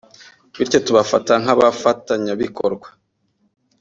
bityo tubafata nk’abafatanyabikorwa